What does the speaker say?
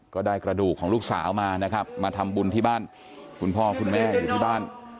กระดูกของลูกสาวมานะครับมาทำบุญที่บ้านคุณพ่อคุณแม่อยู่ที่บ้าน